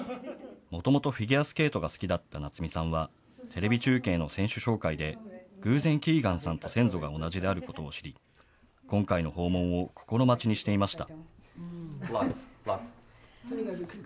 もともとフィギュアスケートが好きだった夏望さんは、テレビ中継の選手紹介で、偶然キーガンさんと先祖が同じであることを知り、今回の訪問を心待ちにしていました。